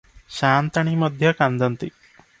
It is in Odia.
ସାଆନ୍ତାଣୀ ମଧ୍ୟ କାନ୍ଦନ୍ତି ।